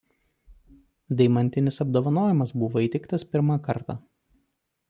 Deimantinis apdovanojimas buvo įteiktas pirmą kartą.